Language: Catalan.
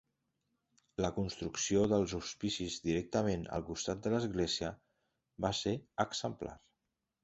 La construcció dels hospicis directament al costat de l'església va ser exemplar.